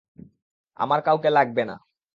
আমার কাউকে লাগবে না।